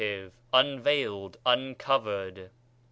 unveiled, uncovered.